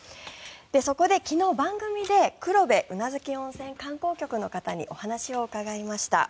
そこで昨日、番組で黒部・宇奈月温泉観光局の担当者の方にお話を伺いました。